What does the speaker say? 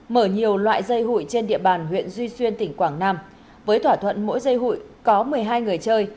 mở nhiều loại dây hụi trên địa bàn huyện duy xuyên tỉnh quảng nam với thỏa thuận mỗi dây hụi có một mươi hai người chơi